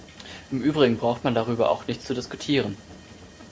Im übrigen braucht man darüber auch nicht zu diskutieren.